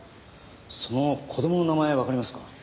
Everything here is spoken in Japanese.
その子供の名前わかりますか？